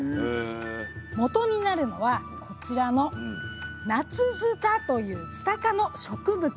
もとになるのはこちらのナツヅタというツタ科の植物。